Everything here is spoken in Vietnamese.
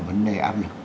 vấn đề áp lực